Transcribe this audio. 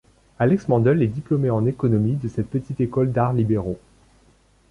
Alex Mandl est diplômé en économie de cette petite école d'arts libéraux.